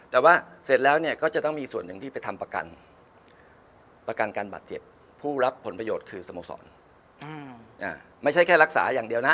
แต่ว่าเสร็จแล้วเนี่ยก็จะต้องมีส่วนหนึ่งที่ไปทำประกันประกันการบาดเจ็บผู้รับผลประโยชน์คือสโมสรไม่ใช่แค่รักษาอย่างเดียวนะ